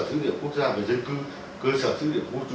dữ liệu quốc gia và dân cư cơ sở dữ liệu quốc trú